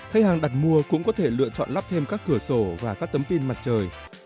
khách hàng đặt mua cũng có thể lựa chọn lắp thêm các cửa sổ và các tấm pin mặt trời